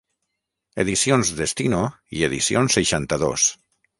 Edicions Destino i Edicions seixanta-dos.